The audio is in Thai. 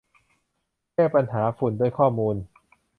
แก้ปัญหาฝุ่นด้วยข้อมูล